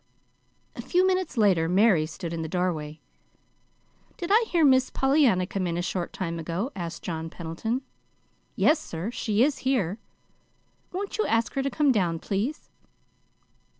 A few moments later Mary stood in the doorway. "Did I hear Miss Pollyanna come in a short time ago?" asked John Pendleton. "Yes, sir. She is here." "Won't you ask her to come down, please."